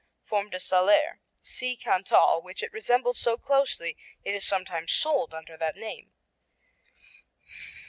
Fourme de Salers see Cantal, which it resembles so closely it is sometimes sold under that name.